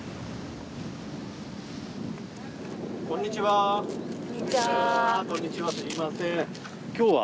こんにちは。